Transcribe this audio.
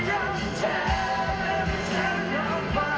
ฉันยังไม่ถึงให้ไปเธอได้ที่ปลายสองภาพ